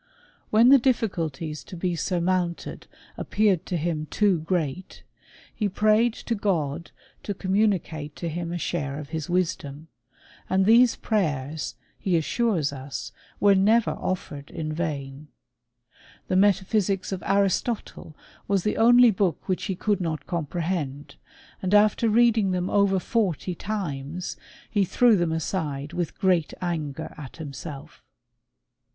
When the difficulties to be surmounted appeared to him too great, he prayed to God to communicate to him a share of his wisdom ; and these prayers, he as sures us, were never offered in vain. The metaphysics of Aristotle was the only book which he could not comprehend, and after reading them over forty times^ he threw them aside with great anger at himself.